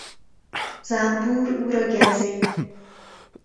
زنبور او را گزید.